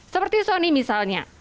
seperti sony misalnya